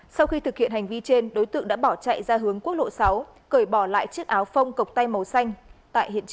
xin chào các bạn